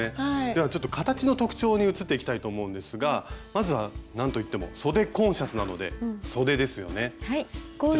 ではちょっと形の特徴に移っていきたいと思うんですがまずはなんといってもそでコンシャスなので「そで」ですよね。